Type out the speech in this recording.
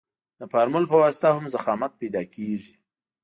د فورمول په واسطه هم ضخامت پیدا کیږي